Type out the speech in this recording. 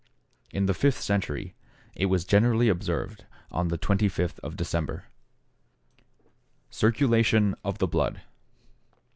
In the fifth century, it was generally observed on the 25th of December. =Circulation of the Blood.